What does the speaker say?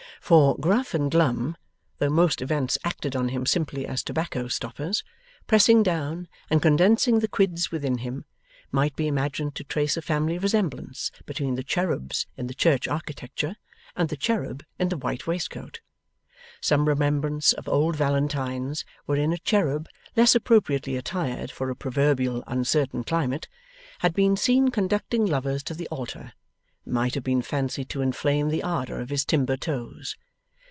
For, Gruff and Glum, though most events acted on him simply as tobacco stoppers, pressing down and condensing the quids within him, might be imagined to trace a family resemblance between the cherubs in the church architecture, and the cherub in the white waistcoat. Some remembrance of old Valentines, wherein a cherub, less appropriately attired for a proverbially uncertain climate, had been seen conducting lovers to the altar, might have been fancied to inflame the ardour of his timber toes.